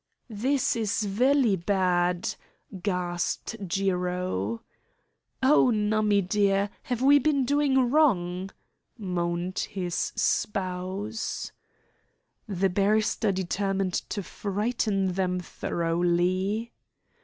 "This is vely bad!" gasped Jiro. "Oh, Nummie dear, have we been doing wrong?" moaned his spouse. The barrister determined to frighten them thoroughly.